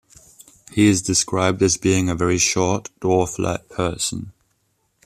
He is described as being a very short, dwarf-like person.